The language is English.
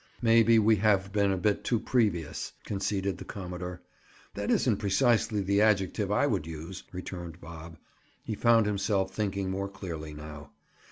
"Maybe, we have been a bit too previous," conceded the commodore. "That isn't precisely the adjective I would use," returned Bob. He found himself thinking more clearly now.